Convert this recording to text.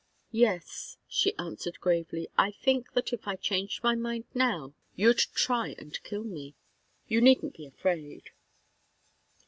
"Yes," she answered, gravely. "I think that if I changed my mind now, you'd try and kill me. You needn't be afraid."